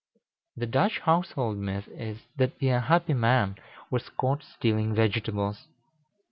The Dutch household myth is, that the unhappy man was caught stealing vegetables.